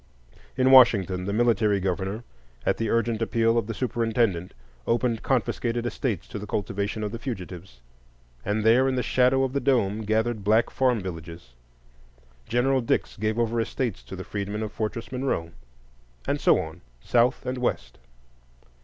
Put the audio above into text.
In Washington the military governor, at the urgent appeal of the superintendent, opened confiscated estates to the cultivation of the fugitives, and there in the shadow of the dome gathered black farm villages. General Dix gave over estates to the freedmen of Fortress Monroe, and so on, South and West.